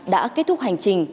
đã kết thúc hành trình